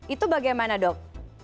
itu bagaimana dok